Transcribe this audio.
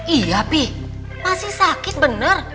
iya pi masih sakit benar